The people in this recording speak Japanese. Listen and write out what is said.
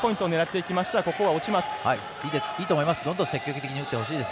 いいと思います。